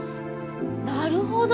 なるほど。